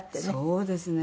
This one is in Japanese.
そうですね。